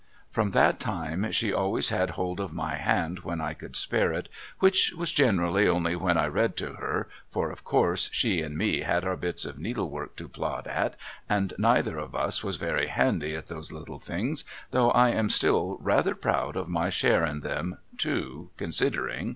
Erom that time she always had hold of my hand when I could spare it which was generally only when I read to her, for of course she and me had our bits of needlework to plod at and neither of us was very handy at those little things, though I am still rather proud of my share in them too considering.